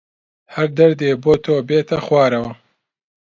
هەر دەردێ بۆ تۆ بێتە خوارەوە